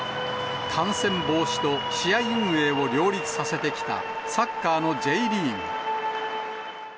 感染防止と試合運営を両立させてきたサッカーのＪリーグ。